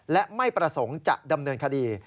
และไม่ประสงค์จะดำเนินคดี